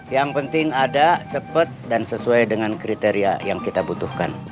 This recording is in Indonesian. yang penting ada cepat dan sesuai dengan kriteria yang kita butuhkan